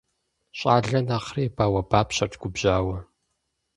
Щӏалэр нэхъри бауэбапщэрт губжьауэ.